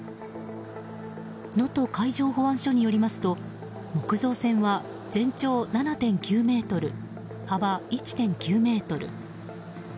能登海上保安署によりますと木造船は全長７．９ｍ幅１．９ｍ。